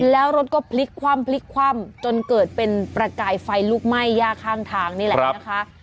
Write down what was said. แล้วรถก็พลิกคว่ำพลิกคว่ำจนเกิดเป็นประกายไฟลุกไหม้ย่าข้างทางนี่แหละนะคะ